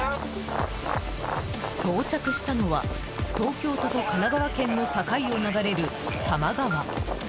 到着したのは東京都と神奈川県の境を流れる多摩川。